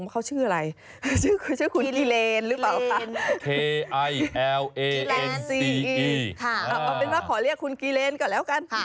เอาเป็นว่าขอเรียกคุณกิเลนก่อนแล้วกัน